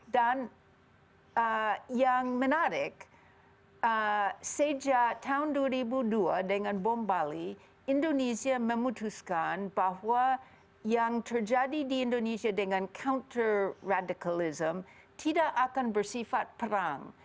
dan yang menarik sejak tahun dua ribu dua dengan bom bali indonesia memutuskan bahwa yang terjadi di indonesia dengan counter radikalisme tidak akan bersifat perang